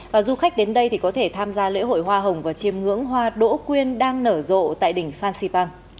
và du khách đến đây thì có thể tham gia lễ hội hoa hồng và chiêm ngưỡng hoa đỗ quyên đang nở rộ tại đỉnh phan xipang